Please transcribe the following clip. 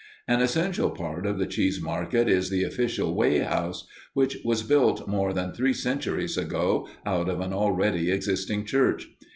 An essential part of the cheese market is the official weigh house, which was built more than three centuries ago, out of an already existing church.